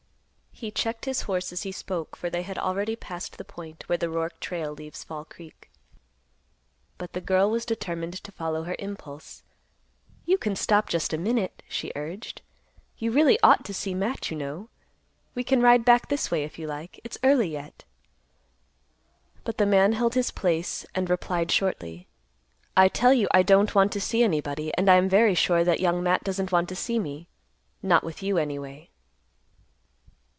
He checked his horse as he spoke, for they had already passed the point where the Roark trail leaves Fall Creek. But the girl was determined to follow her impulse. "You can stop just a minute," she urged. "You really ought to see Matt, you know. We can ride back this way if you like. It's early yet." But the man held his place, and replied shortly, "I tell you I don't want to see anybody, and I am very sure that Young Matt doesn't want to see me, not with you, anyway."